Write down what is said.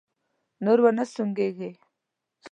نور و نه سونګېږې!